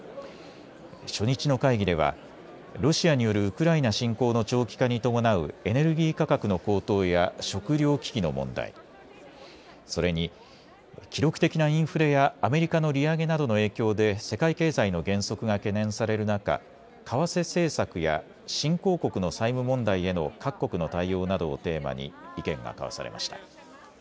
初日の会議ではロシアによるウクライナ侵攻の長期化に伴うエネルギー価格の高騰や食料危機の問題、それに、記録的なインフレやアメリカの利上げなどの影響で世界経済の減速が懸念される中、為替政策や新興国の債務問題への各国の対応などをテーマに意見が交わされました。